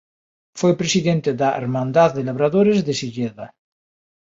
Foi presidente da Hermandad de Labradores de Silleda.